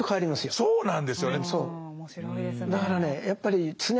そうなんですよね。